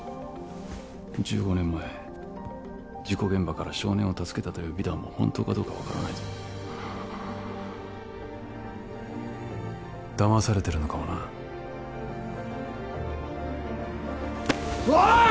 １５年前事故現場から少年を助けたという美談も本当かどうか分からないぞだまされてるのかもなおい！